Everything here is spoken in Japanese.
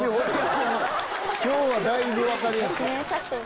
今日はだいぶ分かりやすい。